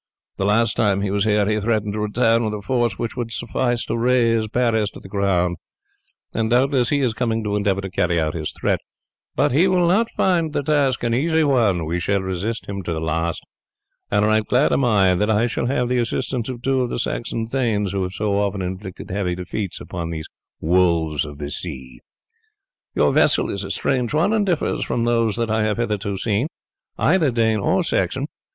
The last time he was here he threatened to return with a force which would suffice to raze Paris to the ground, and doubtless he is coming to endeavour to carry out his threat; but he will not find the task an easy one, we shall resist him to the last; and right glad am I that I shall have the assistance of two of the Saxon thanes who have so often inflicted heavy defeats upon these wolves of the sea. Your vessel is a strange one, and differs from those that I have hitherto seen, either Dane or Saxon.